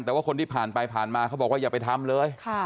แต่ว่าคนที่ผ่านไปผ่านมาเขาบอกว่าอย่าไปทำเลย